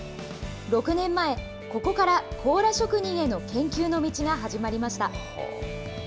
６年前、ここからコーラ職人への研究の道が始まりました。